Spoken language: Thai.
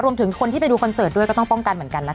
รวมถึงคนที่ไปดูคอนเสิร์ตด้วยก็ต้องป้องกันเหมือนกันนะคะ